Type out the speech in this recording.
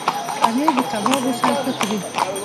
پنېر د کبابو سره ښه خوري.